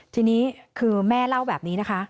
ทีนี้คือแม่เล่าแบบนี้นะคะ